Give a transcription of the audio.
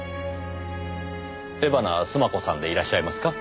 江花須磨子さんでいらっしゃいますか？